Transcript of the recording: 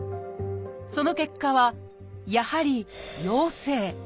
その結果はやはり「陽性」。